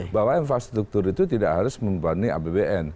bahwa infrastruktur itu tidak harus membebani apbn